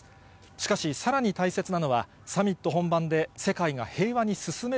しかし、さらに大切なのは、サミット本番で世界が平和に進め